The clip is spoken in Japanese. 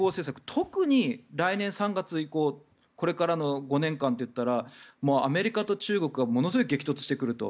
特に来年３月以降これからの５年間というとアメリカと中国がものすごい激突してくると。